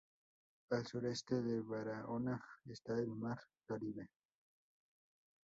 Al Sureste de Barahona está el Mar Caribe.